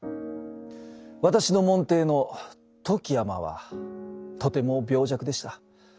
私の門弟の富木尼はとても病弱でした。